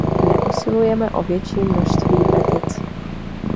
Neusilujeme o větší množství petic.